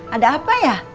ada apa ya